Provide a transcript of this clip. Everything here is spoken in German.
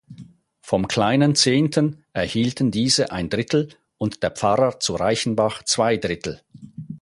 Vom kleinen Zehnten erhielten diese ein Drittel und der Pfarrer zu Reichenbach zwei Drittel.